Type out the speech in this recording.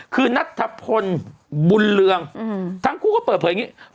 คือนัทธพลบุญเรืองทั้งคู่ก็เปิดเผยอย่างนี้